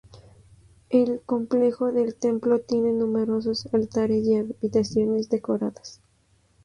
El complejo del templo tiene numerosos altares y habitaciones decoradas.